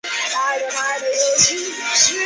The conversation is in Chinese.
她在那里参与创办了三桥学校。